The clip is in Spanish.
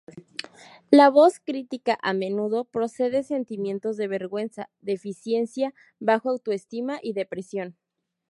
La voz crítica a menudo produce sentimientos de vergüenza, deficiencia, baja autoestima, y depresión.